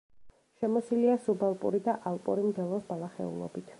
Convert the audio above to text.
შემოსილია სუბალპური და ალპური მდელოს ბალახეულობით.